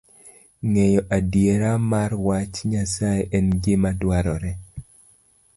Ng'eyo adiera mar wach Nyasaye en gima dwarore